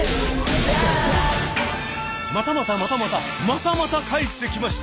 またまたまたまたまたまた帰ってきました！